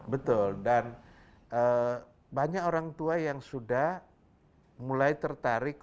betul dan banyak orang tua yang sudah mulai tertarik